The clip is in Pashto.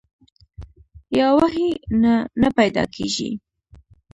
یا وحي نه نۀ پېدا کيږي